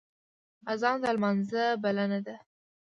اذان د لمانځه بلنه ده